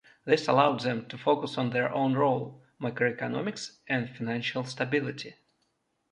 This allowed them to focus on their own role: macroeconomic and financial stability.